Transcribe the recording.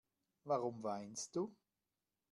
Warum weinst du?